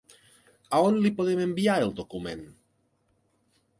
A on li podem enviar el document?